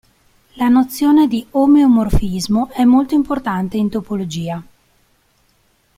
La nozione di omeomorfismo è molto importante in topologia.